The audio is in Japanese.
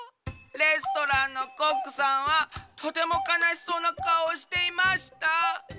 レストランのコックさんはとてもかなしそうなかおをしていました。